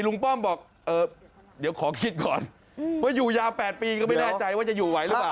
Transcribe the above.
ป้อมบอกเดี๋ยวขอคิดก่อนว่าอยู่ยาว๘ปีก็ไม่แน่ใจว่าจะอยู่ไหวหรือเปล่า